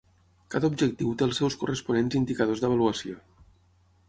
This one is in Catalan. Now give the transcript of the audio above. Cada objectiu té els seus corresponents indicadors d'avaluació.